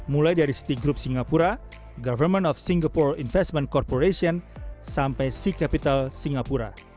mulai dari city group singapura government of singapore investment corporation sampai sea capital singapura